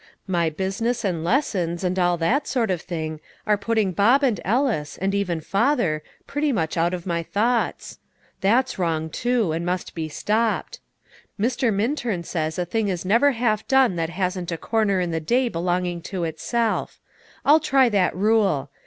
My business and lessons, and all that sort of thing, are putting Bob and Ellis, and even father, pretty much out of my thoughts. That's wrong too, and must be stopped. Mr. Minturn says a thing is never half done that hasn't a corner in the day belonging to itself. I'll try that rule.